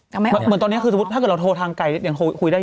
การกันจะเป็นตอนนี้คือถ้าเราก็โทรทางไกลซิอย่างคุยได้